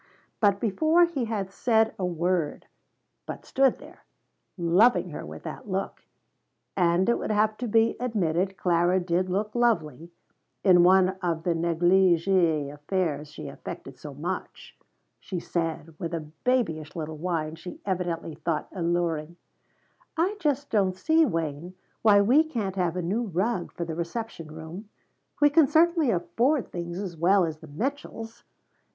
But before he had said a word, but stood there, loving her with that look and it would have to be admitted Clara did look lovely, in one of the neglige affairs she affected so much she said, with a babyish little whine she evidently thought alluring: "I just don't see, Wayne, why we can't have a new rug for the reception room. We can certainly afford things as well as the Mitchells."